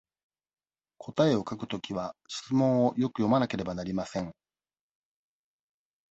答えを書くときは、質問をよく読まなければなりません。